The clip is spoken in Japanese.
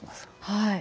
はい。